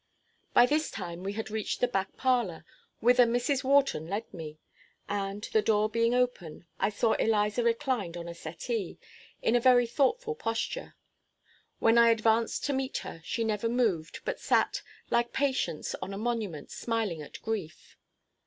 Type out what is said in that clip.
By this time we had reached the back parlor, whither Mrs. Wharton led me; and, the door being open, I saw Eliza reclined on a settee, in a very thoughtful posture. When I advanced to meet her, she never moved, but sat, "like Patience on a monument, smiling at Grief."